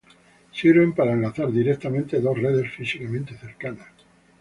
Sirven para enlazar directamente dos redes físicamente cercanas.